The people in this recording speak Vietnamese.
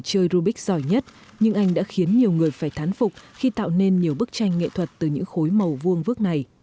chơi rubik giỏi nhất nhưng anh đã khiến nhiều người phải thán phục khi tạo nên nhiều bức tranh nghệ thuật từ những khối màu vuông vước này